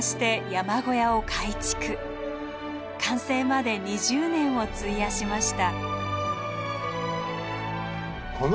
完成まで２０年を費やしました。